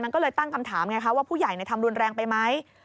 มันก็เลยตั้งคำถามไงคะว่าผู้ใหญ่ทำรุนแรงไปไหม